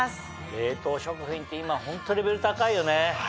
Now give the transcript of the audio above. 冷凍食品って今ホントレベル高いよね。